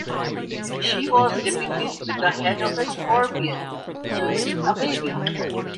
She was depicted with the head of a scorpion, nursing a baby.